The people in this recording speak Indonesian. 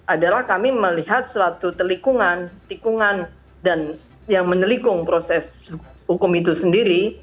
adalah kami melihat suatu telikungan tikungan dan yang menelikung proses hukum itu sendiri